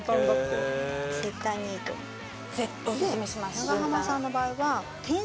で長濱さんの場合は。